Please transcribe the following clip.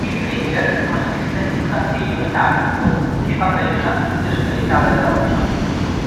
Il cliffhanger consiste in un artiglio metallico che fa presa sulle asperità della roccia.